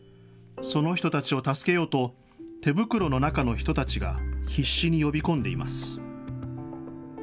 その人たちを助けようと、手袋の中の人たちが必死に呼び込んでいます。